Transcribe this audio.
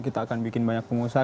kita akan bikin banyak pengusaha